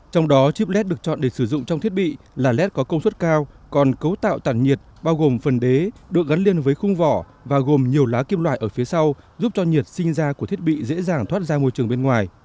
trong đó chip lét được chọn để sử dụng trong thiết bị là led có công suất cao còn cấu tạo tản nhiệt bao gồm phần đế được gắn liền với khung vỏ và gồm nhiều lá kim loại ở phía sau giúp cho nhiệt sinh ra của thiết bị dễ dàng thoát ra môi trường bên ngoài